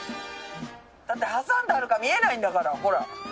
だって挟んであるから見えないんだからほら。